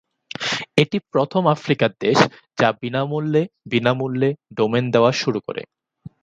এটি প্রথম আফ্রিকার দেশ যা বিনামূল্যে বিনামূল্যে ডোমেন দেওয়া শুরু করে।